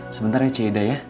sebentar ya cik ida